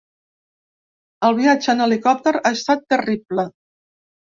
El viatge en l’helicòpter ha estat terrible.